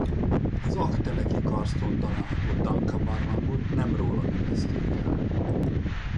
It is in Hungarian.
Az Aggteleki-karszton található Danca-barlangot nem róla nevezték el.